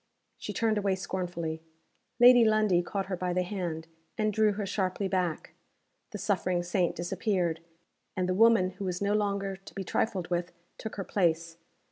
She turned away scornfully. Lady Lundie caught her by the hand, and drew her sharply back. The suffering saint disappeared, and the woman who was no longer to be trifled with took her place.